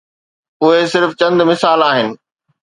اهي صرف چند مثال آهن.